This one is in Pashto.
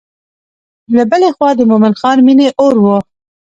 له بلې خوا د مومن خان مینې اور و.